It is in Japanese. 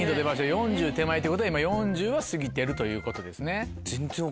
４０歳手前ってことは今４０歳は過ぎてるということですね。